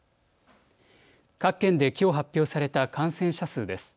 各県できょう発表された感染者数です。